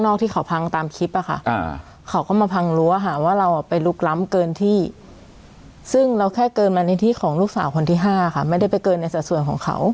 นอกที่เขาพังตามคลิปอะค่ะเขาก็มาพังรั้วอะค่ะว่าเราไปลุกล้ำเกินที่ซึ่งเราแค่เกินมาในที่ของลูกสาวคนที่๕ค่ะไม่ได้ไปเกินในส่วนของเขา